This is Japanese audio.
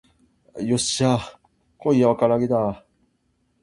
よっしゃー今夜は唐揚げだ